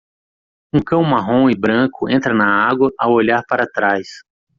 Um cão marrom e branco entra na água ao olhar para trás.